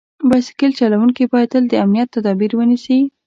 بایسکل چلونکي باید تل د امنیت تدابیر ونیسي.